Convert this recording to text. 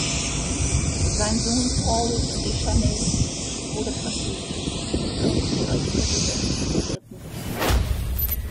Sein Sohn Paul Deschanel wurde französischer Politiker und Staatspräsident der Dritten Republik.